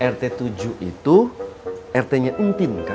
rt tujuh itu rt nya intin kan